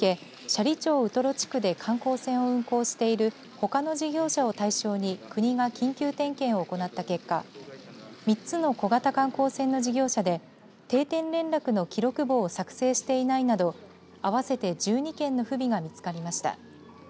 斜里町ウトロ地区で観光船を運航しているほかの事業者を対象に国が緊急点検を行った結果３つの小型観光船の事業者で定点連絡などの記録簿を作成していないなど、合わせて１２件の不備が見つかりました。